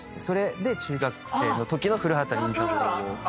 それで中学生のときの古畑任三郎を。